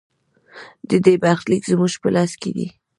د دې برخلیک زموږ په لاس کې دی؟